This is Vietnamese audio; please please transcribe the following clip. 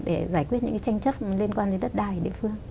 để giải quyết những tranh chất liên quan đến đất đài địa phương